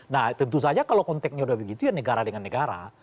nah tentu saja kalau konteknya sudah begitu ya negara dengan negara